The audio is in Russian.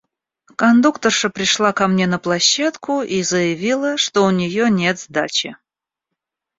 Кондукторша пришла ко мне на площадку и заявила, что у нее нет сдачи.